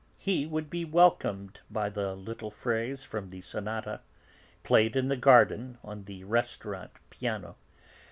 He would be welcomed by the little phrase from the sonata, played in the garden on the restaurant piano.